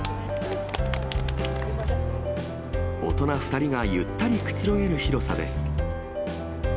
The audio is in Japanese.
大人２人がゆったりくつろげる広さです。